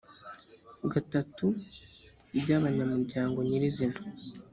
gatatu by abanyamuryango nyirizina